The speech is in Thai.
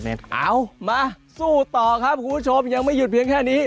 เอามาสู้ต่อครับคุณผู้ชมยังไม่หยุดเพียงแค่นี้